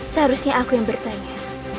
seharusnya aku yang bertanya